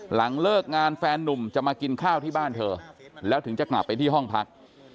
หลังเลิกงานแฟนนุ่มจะมากินข้าวที่บ้านเธอแล้วถึงจะกลับไปที่ห้องพัก